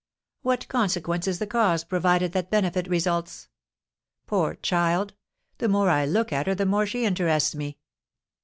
What consequence is the cause provided that benefit results? Poor child! The more I look at her the more she interests me."